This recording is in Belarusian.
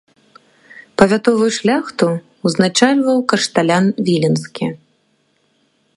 Павятовую шляхту ўзначальваў кашталян віленскі.